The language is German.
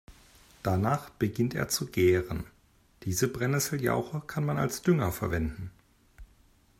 Danach beginnt er zu gären. Diese Brennesseljauche kann man als Dünger verwenden.